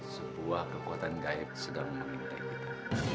sebuah kekuatan gaib sedang membidik kita